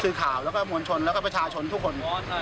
คือข่าวแล้วก็มวลชนแล้วก็ประชาชนทุกคน